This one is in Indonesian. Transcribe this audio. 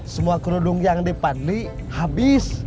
semua kerudung yang dipanli habis